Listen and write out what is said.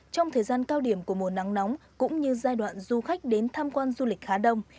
trong thời gian cao điểm của mùa nắng nóng cũng như giai đoạn du khách đến tham quan du lịch khá đông